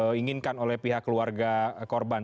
ini bisa diinginkan oleh pihak keluarga korban